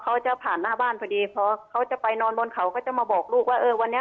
เขาจะผ่านหน้าบ้านพอดีพอเขาจะไปนอนบนเขาก็จะมาบอกลูกว่าเออวันนี้